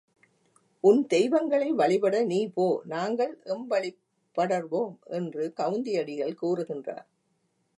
உன் தெய்வங்களை வழிபட நீ போ நாங்கள் எம் வழிப் படர்வோம் என்று கவுந்தி அடிகள் கூறுகின்றார்.